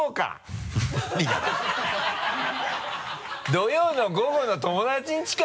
土曜の午後の友達の家か？